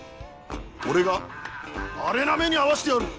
俺がアレな目に遭わしてやる！